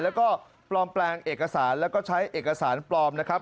แล้วก็ปลอมแปลงเอกสารแล้วก็ใช้เอกสารปลอมนะครับ